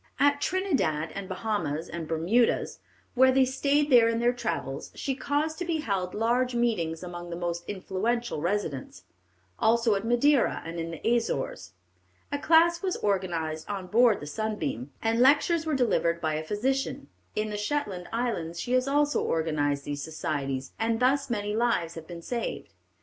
At Trindad, and Bahamas, and Bermudas, when they stayed there in their travels, she caused to be held large meetings among the most influential residents; also at Madeira and in the Azores. A class was organized on board the Sunbeam, and lectures were delivered by a physician. In the Shetland Islands she has also organized these societies, and thus many lives have been saved.